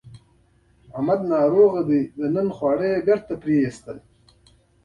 احمد ناروغ دی ننني خوړلي خواړه یې بېرته قی کړل.